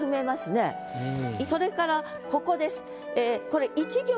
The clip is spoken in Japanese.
それからここです。